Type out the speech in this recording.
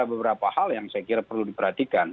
ada beberapa hal yang saya kira perlu diperhatikan